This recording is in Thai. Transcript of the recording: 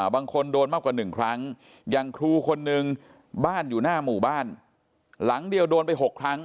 บางคนโดนมากกว่า๑ครั้งอย่างครูคนนึงบ้านอยู่หน้าหมู่บ้านหลังเดียวโดนไป๖ครั้ง